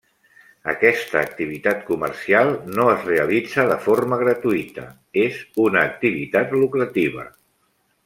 Aquesta activitat comercial no es realitza de forma gratuïta, és una activitat lucrativa.